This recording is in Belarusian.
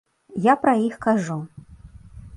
Я пра іх кажу.